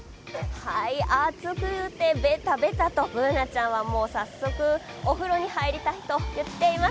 暑くてベタベタとＢｏｏｎａちゃんは早速お風呂に入りたいと言っています。